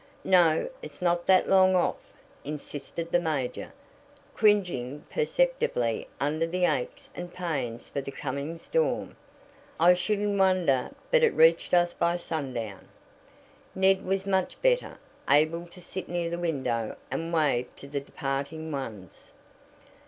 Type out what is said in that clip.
"No, it's not that long off," insisted the major, cringing perceptibly under the aches and pains for the coming storm. "I shouldn't wonder but it reached us by sundown." Ned was much better, able to sit near the window and wave to the departing ones.